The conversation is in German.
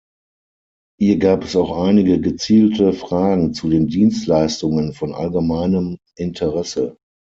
Hier gab es auch einige gezielte Fragen zu den Dienstleistungen von allgemeinem Interesse.